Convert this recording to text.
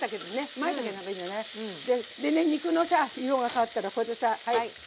でね肉のさ色が変わったらこれでさはい。